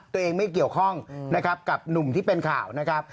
ตัวเองไม่เกี่ยวข้องกับหนุ่มที่เป็นข่าวนะครับ